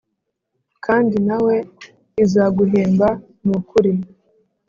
kandi nawe izaguhemba nukuri."